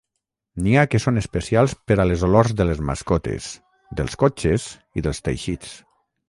N'hi ha que són especials per a les olors de les mascotes, dels cotxes i dels teixits.